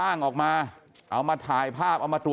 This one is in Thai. พ่อขออนุญาต